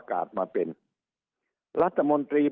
สุดท้ายก็ต้านไม่อยู่